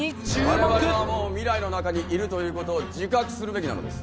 我々はもう未来に中にいるということを自覚するべきなのです。